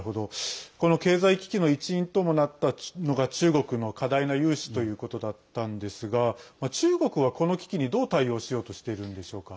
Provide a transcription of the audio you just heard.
この経済危機の一因ともなったのが中国の過大な融資ということだったんですが中国はこの危機にどう対応しようとしているんでしょうか？